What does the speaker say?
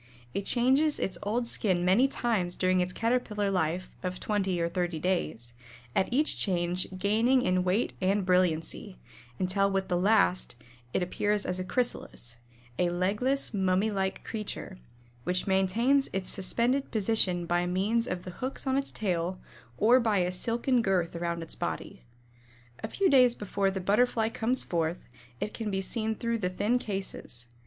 It changes its old skin many times during its Caterpillar life of twenty or thirty days, at each change gaining in weight and brilliancy, until with the last it appears as a Chrysalis "a legless, mummy like creature," which maintains its suspended position by means of the hooks on its tail or by a silken girth around its body. A few days before the Butterfly comes forth, it can be seen through the thin cases.